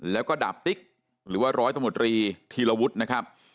แล้วก็ดาบติ๊กหรือว่าร้อยตำรวจรีธีรวุฒินะครับ